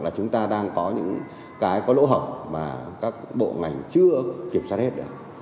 là chúng ta đang có những cái có lỗ hổng mà các bộ ngành chưa kiểm soát hết được